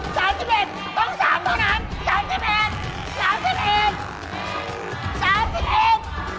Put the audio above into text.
๓๑๓๑ต้อง๓เท่านั้น